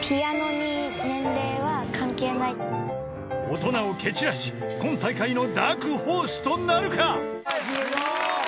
［大人を蹴散らし今大会のダークホースとなるか］